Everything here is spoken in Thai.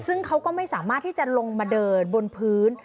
ซึ่งเขาก็ไม่สามารถที่จะลงมาเดินบนพื้น